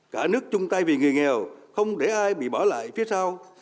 cả nước chung tay vì người nghèo không để ai bị bỏ lại phía sau